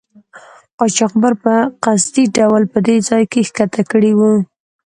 قاچاقبر په قصدي ډول په دې ځای کې ښکته کړي وو.